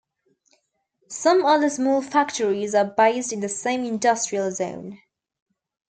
Some other small factories are based in the same industrial zone.